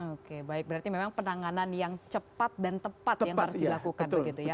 oke baik berarti memang penanganan yang cepat dan tepat yang harus dilakukan begitu ya